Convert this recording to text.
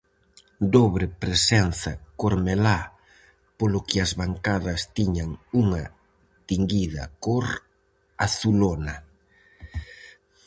Dobre presenza cormelá, polo que as bancadas tiñan unha tinguida cor azulona.